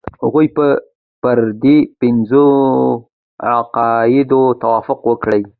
هغوی به پر دې پنځو قاعدو توافق وکړي.